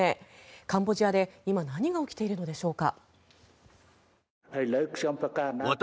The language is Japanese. カンボジアで今何が起きているのでしょうか。